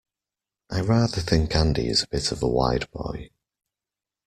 I rather think Andy is a bit of a wide boy.